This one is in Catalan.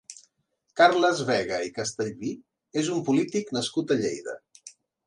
Carles Vega i Castellví és un polític nascut a Lleida.